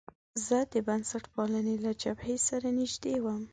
زه د بنسټپالنې له جبهې سره نژدې وم.